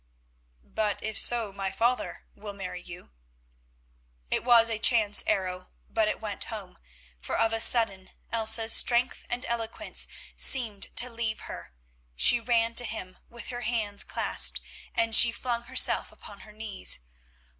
"But if so, my father will marry you." It was a chance arrow, but it went home, for of a sudden Elsa's strength and eloquence seemed to leave her. She ran to him with her hands clasped, she flung herself upon her knees.